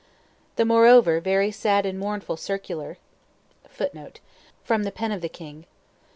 "The moreover very sad & mournful Circular [Footnote: From the pen of the king.